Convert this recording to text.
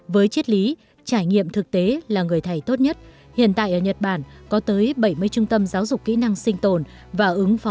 với triết lý trải nghiệm thực tế các em đều có thể tự bảo vệ bản thân